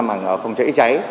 mảng phòng cháy cháy